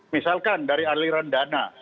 misalkan dari aliran dana